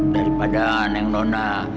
daripada neng nona